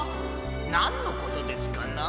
なんのことですかな？